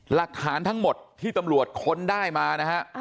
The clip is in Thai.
หลักฐานทั้งหมดที่ตำรวจค้นได้มานะฮะ